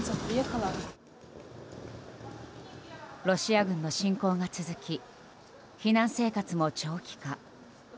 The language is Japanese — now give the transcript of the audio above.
ロシア軍の侵攻が続き避難生活も長期化。